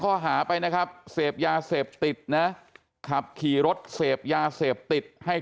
ข้อหาไปนะครับเสพยาเสพติดนะขับขี่รถเสพยาเสพติดให้